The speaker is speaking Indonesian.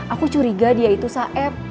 aku curiga dia itu saeb